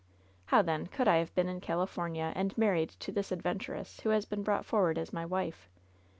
How, then, could I have been in California, 116 LOVE'S BITTEREST CUP and married to this adventuress who has been brought forward as my wife?